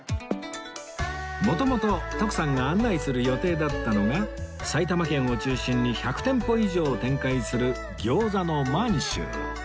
元々徳さんが案内する予定だったのが埼玉県を中心に１００店舗以上を展開するぎょうざの満洲